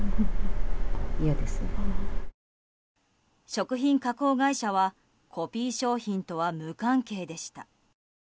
食品加工会社はコピー商品とは無関係でした。